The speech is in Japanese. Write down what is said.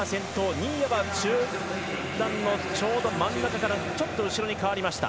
新谷は集団のちょうど真ん中からちょっと後ろに変わりました。